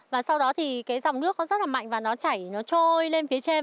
và sau đó thì cái dòng nước nó rất là mạnh và nó chảy nó trôi lên phía trên